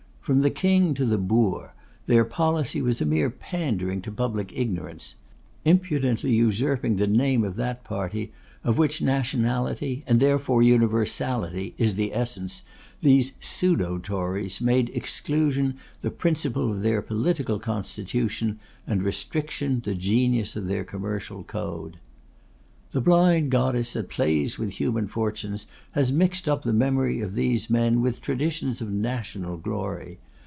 From the King to the boor their policy was a mere pandering to public ignorance. Impudently usurping the name of that party of which nationality, and therefore universality, is the essence, these pseudo Tories made Exclusion the principle of their political constitution, and Restriction the genius of their commercial code. The blind goddess that plays with human fortunes has mixed up the memory of these men with traditions of national glory.